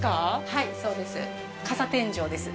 はい、そうです。